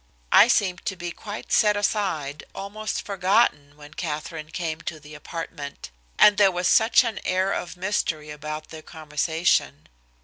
I seemed to be quite set aside, almost forgotten, when Katherine came to the apartment. And there was such an air of mystery about their conversation!